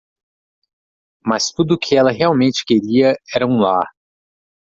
Mas tudo o que ela realmente queria era um lar.